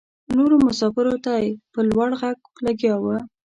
نورو مساپرو ته په لوړ غږ لګیا وه.